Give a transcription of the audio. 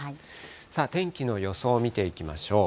さあ、天気の予想を見ていきましょう。